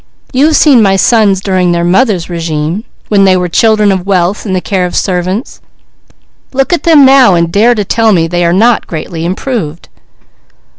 You have seen my sons during their mother's régime, when they were children of wealth in the care of servants; look at them now and dare to tell me that they are not greatly improved."